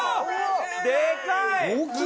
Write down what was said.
でかい！